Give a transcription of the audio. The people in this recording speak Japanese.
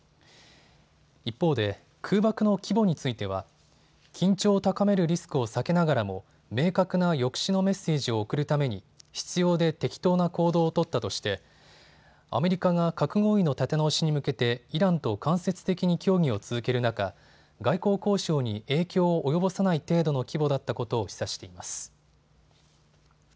一方で空爆の規模については緊張を高めるリスクを避けながらも明確な抑止のメッセージを送るために必要で適当な行動を取ったとしてアメリカが核合意の立て直しに向けてイランと間接的に協議を続ける中、外交交渉に影響を及ぼさない程度の規模だったことを示唆しています。